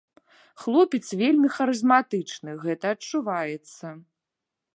Хлопец вельмі харызматычны, гэта адчуваецца!